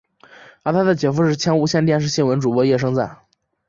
而他的姐夫是前无线电视新闻主播叶升瓒。